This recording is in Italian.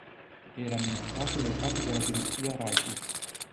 Era amministrato dai capi della dinastia Rajput.